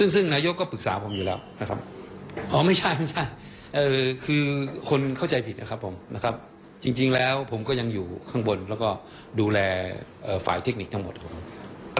ซึ่งนายกก็ปรึกษาผมอยู่แล้วนะครับอ๋อไม่ใช่ไม่ใช่คือคนเข้าใจผิดนะครับผมนะครับจริงแล้วผมก็ยังอยู่ข้างบนแล้วก็ดูแลฝ่ายเทคนิคทั้งหมดของผม